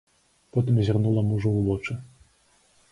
Потым зірнула мужу ў вочы.